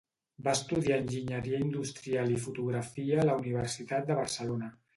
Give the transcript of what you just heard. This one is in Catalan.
Va estudiar enginyeria industrial i fotografia a la Universitat de Barcelona.